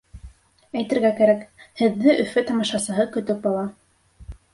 Әйтергә кәрәк: һеҙҙе Өфө тамашасыһы көтөп ала.